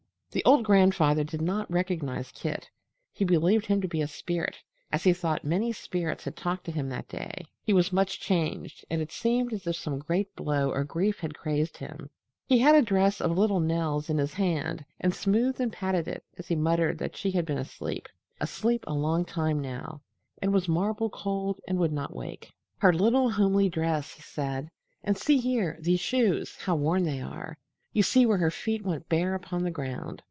The old grandfather did not recognize Kit. He believed him a spirit, as he thought many spirits had talked to him that day. He was much changed, and it seemed as if some great blow or grief had crazed him. He had a dress of little Nell's in his hand and smoothed and patted it as he muttered that she had been asleep asleep a long time now, and was marble cold and would not wake. "Her little homely dress!" he said. "And see here these shoes how worn they are! You see where her feet went bare upon the ground.